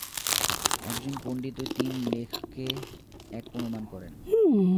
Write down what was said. একজন পণ্ডিত ঐ তিন লেখ-কে এক অনুমান করেন।